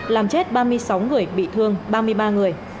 làm chết ba mươi sáu người bị thương ba mươi ba người